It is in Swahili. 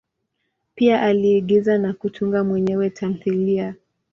Pia aliigiza na kutunga mwenyewe tamthilia.